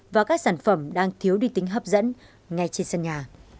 và các sản phẩm đang thiếu đi tính hấp dẫn ngay trên sân nhà